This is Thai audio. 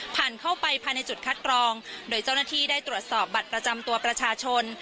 ผ่านเข้าไปภายในจุดคัดกรองโดยเจ้าหน้าที่ได้ตรวจสอบบัตรประจำตัวประชาชน